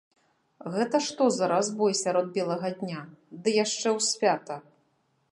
Гэта што за разбой сярод белага дня, ды яшчэ ў свята?!